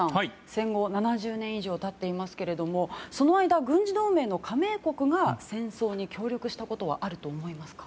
戦後７０年以上経っていますけどもその間、軍事同盟の加盟国が戦争に協力したことはあると思いますか？